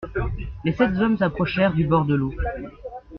Les sept hommes s’approchèrent du bord de l’eau.